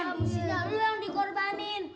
ah mesti lo yang dikorbanin